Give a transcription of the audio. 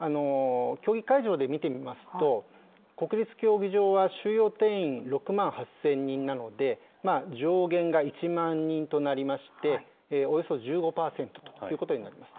競技会場で見てみますと、国立競技場は収容定員６万８０００人なので、上限が１万人となりまして、およそ１５％ということになります。